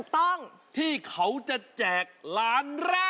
ที่เขาจะแจกล้านแรก